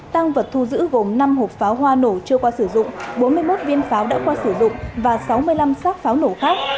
tăng vật thu giữ gồm năm hộp pháo hoa nổ chưa qua sử dụng bốn mươi một viên pháo đã qua sử dụng và sáu mươi năm xác pháo nổ khác